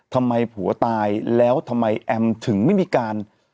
ทำไมผัวตายแล้วทำไมแอมถึงไม่มีการ